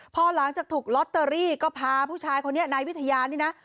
พอหลังจากถูกลอตเตอรี่ก็พาผู้ชายคนนี้นายวิทยานี่นะ